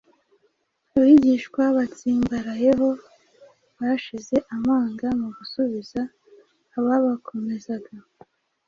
abigishwa batsimbarayeho bashize amanga mu gusubiza ababakomaga